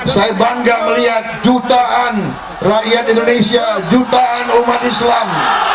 saya bangga melihat jutaan rakyat indonesia jutaan umat islam